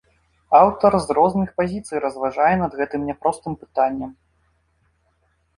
Аўтар з розных пазіцый разважае над гэтым няпростым пытаннем.